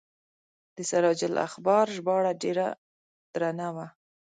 د سراج الاخبار ژباړه ډیره درنه وه.